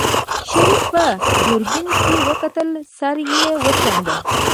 شريف په دوربين کې وکتل سر يې وڅنډه.